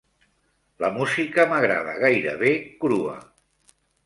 La música m'agrada gairebé crua.